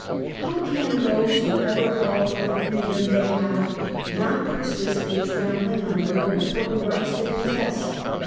How can those who ever call for the freedom they have not persist in trampling on the more important rights they possess?